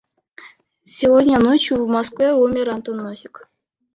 Сегодня ночью в Москве умер Антон Носик.